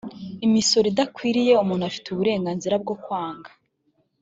imisoro idakwiriye umuntu afite uburenganzira bwo kwanga